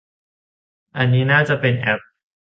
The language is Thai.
อันนั้นน่าจะเป็นแอป